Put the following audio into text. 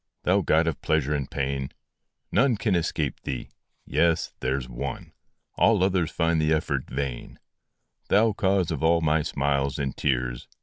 Thou god of pleasure and of pain ! None can escape thee yes there s one All others find the effort vain : Thou cause of all my smiles and tears